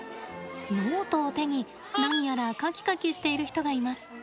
ノートを手に何やら描き描きしている人がいます。